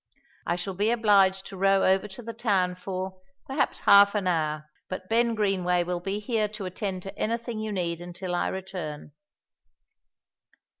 I shall be obliged to row over to the town for, perhaps, half an hour, but Ben Greenway will be here to attend to anything you need until I return."